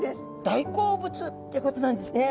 大好物ってことなんですね。